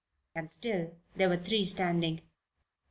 And still there were three standing.